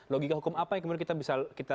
logika hukum apa yang kemudian kita bisa